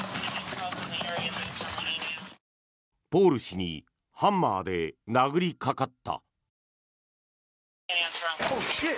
ポール氏にハンマーで殴りかかった。